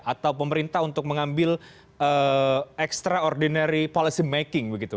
atau pemerintah untuk mengambil extraordinary policy making begitu